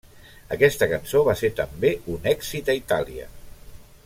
Aquesta cançó va ser també un èxit a Itàlia.